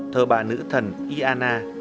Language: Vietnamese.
thơ bà nữ thần iana